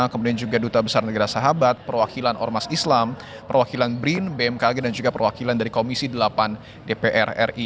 kemudian juga duta besar negara sahabat perwakilan ormas islam perwakilan brin bmkg dan juga perwakilan dari komisi delapan dpr ri